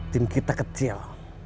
tim kita kecil